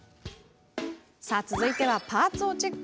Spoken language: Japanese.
続いて、パーツをチェック。